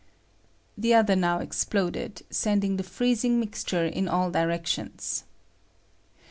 [The other now exploded, sending the freezing mixture in all directions.